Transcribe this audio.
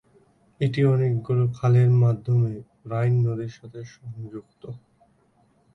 এটি অনেকগুলি খালের মাধ্যমে রাইন নদীর সাথে সংযুক্ত।